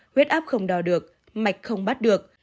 huyết áp không đò được mạch không bắt được